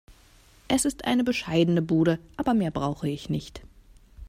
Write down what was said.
Es ist eine bescheidene Bude, aber mehr brauche ich nicht.